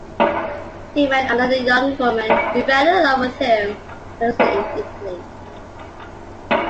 He met another young woman who fell in love with him while he was in Italy.